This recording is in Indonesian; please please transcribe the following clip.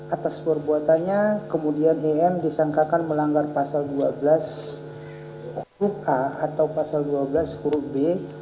atas perbuatannya kemudian em disangkakan melanggar pasal dua belas huruf a atau pasal dua belas huruf b